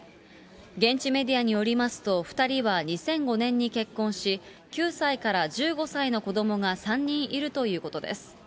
現地メディアによりますと、２人は２００５年に結婚し、９歳から１５歳の子どもが３人いるということです。